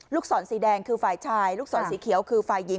ศรสีแดงคือฝ่ายชายลูกศรสีเขียวคือฝ่ายหญิง